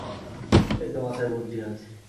এইতো মাথায় বুদ্ধি আছে।